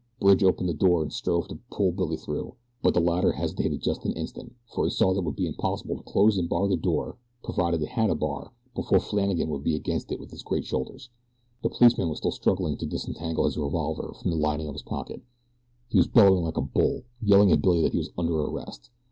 Bridge opened the door and strove to pull Billy through; but the latter hesitated just an instant, for he saw that it would be impossible to close and bar the door, provided it had a bar, before Flannagan would be against it with his great shoulders. The policeman was still struggling to disentangle his revolver from the lining of his pocket. He was bellowing like a bull yelling at Billy that he was under arrest.